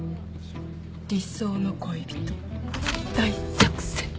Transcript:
理想の恋人大作戦。